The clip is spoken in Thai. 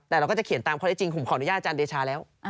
แต่เราก็จะเขียนตามข้อได้จริงผมขออนุญาตอาจารย์เดชาแล้ว